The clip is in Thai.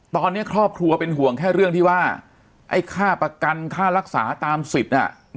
ตอนนี้ครอบครัวเป็นห่วงแค่เรื่องที่ว่าไอ้ค่าประกันค่ารักษาตามสิทธิ์